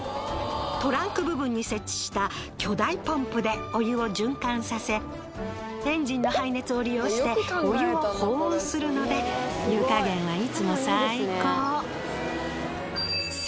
トランク部分に設置した巨大ポンプでお湯を循環させエンジンの排熱を利用してお湯を保温するので湯加減はいつも最高。